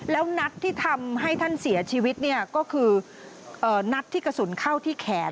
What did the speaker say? แล้วนัดที่ทำให้ท่านเสียชีวิตเนี่ยก็คือนัดที่กระสุนเข้าที่แขน